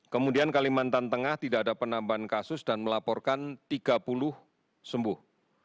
kemudian kalimantan tengah tidak ada penambahan kasus dan melaporkan tiga puluh sembuh